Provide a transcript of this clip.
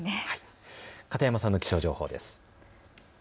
片山さんの気象情報です。